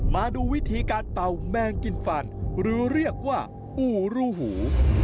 มาดูวิธีการเป่าแมงกินฟันหรือเรียกว่าปู่รูหู